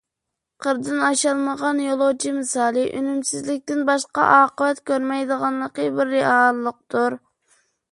«قىردىن ئاشالمىغان يولۇچى» مىسالى ئۈنۈمسىزلىكتىن باشقا ئاقىۋەت كۆرمەيدىغانلىقى بىر رېئاللىقتۇر.